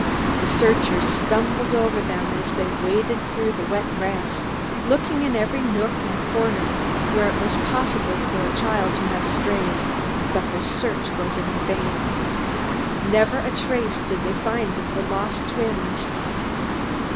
The searchers stumbled over them as they waded through the wet grass, looking in every nook and corner where it was possible for a child to have strayed, but their search was in vain. Never a trace did they find of the lost twins.